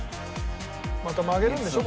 また曲げるんでしょ？